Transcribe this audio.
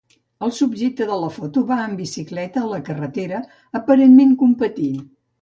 El subjecte de la foto va en bicicleta a la carretera aparentment competint.